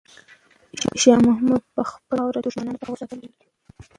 شاه محمود به خپله خاوره له دښمنانو څخه ساتله.